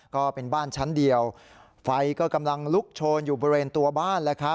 ก็เป็นบ้านชั้นเดียวไฟก็กำลังลุกโชนอยู่บริเวณตัวบ้าน